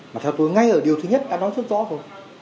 mà theo tôi ngay ở điều thứ nhất đã nói rất rõ rồi